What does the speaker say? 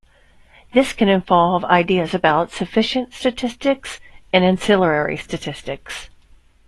This can involve ideas about sufficient statistics and ancillary statistics.